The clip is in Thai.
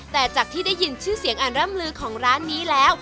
แต่จากที่ได้ยินชื่อเสียงอันร่ำลือของร้านนี้แล้ว